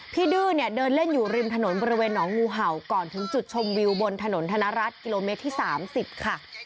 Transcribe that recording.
ดื้อเนี่ยเดินเล่นอยู่ริมถนนบริเวณหนองงูเห่าก่อนถึงจุดชมวิวบนถนนธนรัฐกิโลเมตรที่๓๐ค่ะ